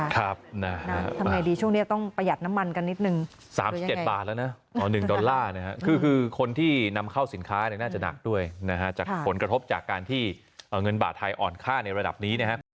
เข้าสินค้าน่าจะหนักด้วยนะฮะจากผลกระทบจากการที่เงินบาทไทยอ่อนค่าในระดับนี้นะฮะ